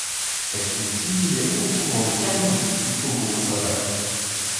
Elle fut inhumée au couvent des Carmélites du faubourg Saint-Jacques.